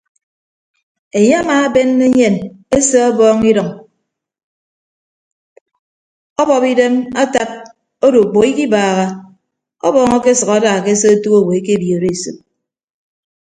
Enye amaabenne enyen ese ọbọọñ idʌñ ọbọp idem atad odo ukpәho ikibaaha ọbọọñ akesʌk ada ke se otu owo ekebiooro esop.